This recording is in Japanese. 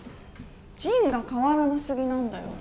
仁が変わらな過ぎなんだよ。